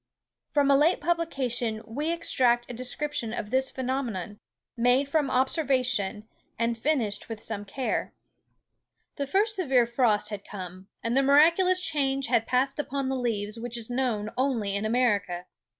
From a late publication we extract a description of this phenomenon, made from observation, and finished with some care. "The first severe frost had come, and the miraculous change had passed upon the leaves which is known only in America.